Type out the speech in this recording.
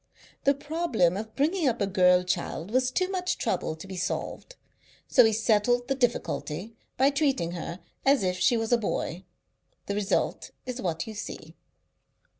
The problem of bringing up a girl child was too much trouble to be solved, so he settled the difficulty by treating her as if she was a boy. The result is what you see."